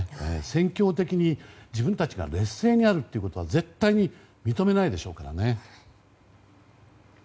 戦況的に自分たちが劣勢にあるということは絶対に認めないでしょうからね。